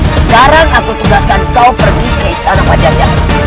sekarang aku tugaskan kau pergi ke istana pajajar